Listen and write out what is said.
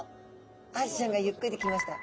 アジちゃんがゆっくり来ました。